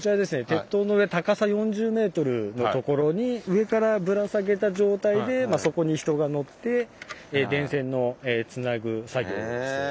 鉄塔の上高さ４０メートルのところに上からぶら下げた状態でそこに人が乗って電線のつなぐ作業をする。